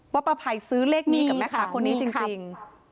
ป้าภัยซื้อเลขนี้กับแม่ค้าคนนี้จริง